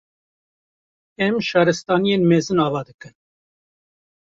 Em Şaristaniyên mezin ava dikin